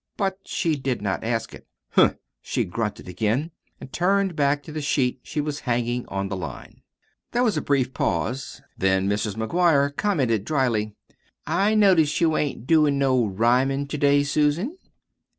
But she did not ask it. "Humph!" she grunted again; and turned back to the sheet she was hanging on the line. There was a brief pause, then Mrs. McGuire commented dryly: "I notice you ain't doin' no rhymin' to day, Susan."